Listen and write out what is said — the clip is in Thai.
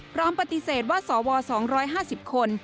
พร้อมปฏิเสธว่าสว๒๕๐คน